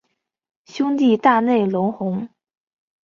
兄弟大内隆弘。